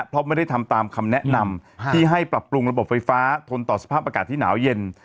เพราะไม่ได้ทำตามคำแนะนำที่ให้ปรับปรุงระบบไฟฟ้าทนต่อสภาพอากาศที่หนาวเย็น